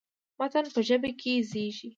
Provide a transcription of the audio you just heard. متن په ژبه کې زېږي.